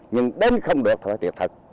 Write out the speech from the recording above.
nhưng đến không được thì phải thiệt thật